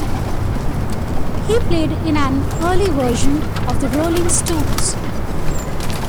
He played in an early version of the Rolling Stones.